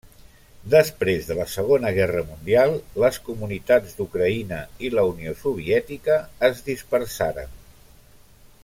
Després de la Segona Guerra Mundial, les comunitats d'Ucraïna i la Unió Soviètica es dispersaren.